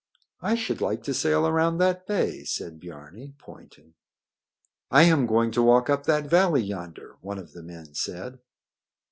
"I should like to sail around that bay," said Biarni, pointing. "I am going to walk up that valley yonder," one of the men said.